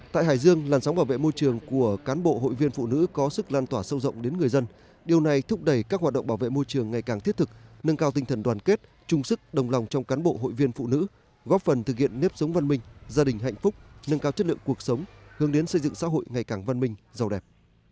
tại hải dương làn sóng bảo vệ môi trường của cán bộ hội viên phụ nữ có sức lan tỏa sâu rộng đến người dân điều này thúc đẩy các hoạt động bảo vệ môi trường ngày càng thiết thực nâng cao tinh thần đoàn kết chung sức đồng lòng trong cán bộ hội viên phụ nữ góp phần thực hiện nếp sống văn minh gia đình hạnh phúc nâng cao chất lượng cuộc sống hướng đến xây dựng xã hội ngày càng văn minh giàu đẹp